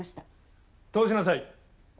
通しなさい。